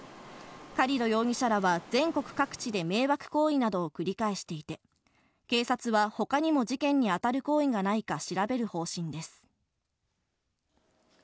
カリド容疑者らは全国各地で迷惑行為などを繰り返していて、警察は他にも事件に当たる行為がないか調べる方針です。